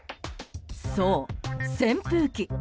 そう、扇風機。